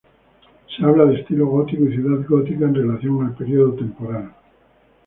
Se habla de "estilo gótico" y "ciudad gótica" en relación al período temporal.